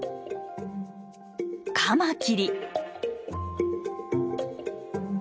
カマキリ。